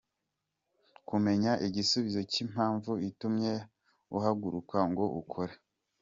Kumenya igisubizo cy’impamvu itumye uhaguruka ngo ukore.